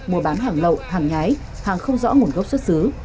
mua bán hàng lậu hàng nhái hàng không rõ nguồn gốc xuất xứ